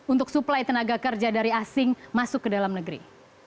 untuk suplai tenaga kerja dari asing masuk ke dalam negeri